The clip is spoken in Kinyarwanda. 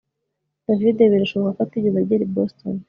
David birashoboka ko atigeze agera i Boston